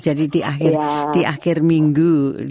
jadi di akhir minggu